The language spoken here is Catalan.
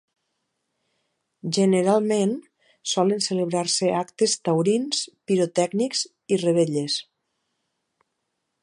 Generalment, solen celebrar-se actes taurins, pirotècnics i revetlles.